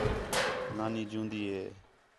نانی جیون٘دی ہے